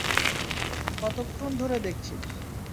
কতক্ষণ ধরে দেখছিস?